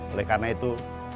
oleh karena itu